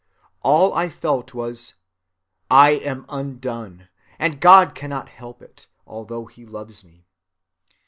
All I felt was 'I am undone,' and God cannot help it, although he loves me.